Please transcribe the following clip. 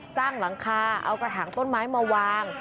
หลังคาเอากระถางต้นไม้มาวาง